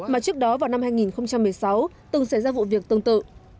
mà trước đó vào năm hai nghìn một mươi sáu từng xảy ra vụ việc tương tự